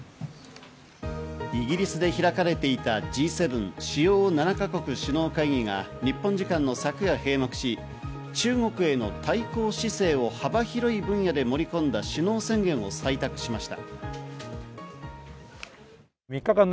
イギリスで開かれていたＧ７＝主要７か国首脳会議が日本時間の昨夜閉幕し、中国への対抗姿勢を幅広い分野で盛り込んだ首脳宣言を採択しました。